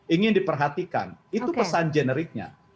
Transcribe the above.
ingin diperhatikan itu pesan generiknya